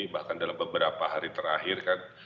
bahkan dalam beberapa hari terakhir kan